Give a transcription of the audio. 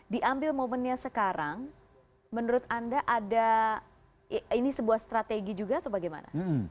diambil momennya sekarang menurut anda ada ini sebuah strategi juga atau bagaimana